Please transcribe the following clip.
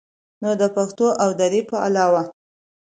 نو د پښتو او دري په علاوه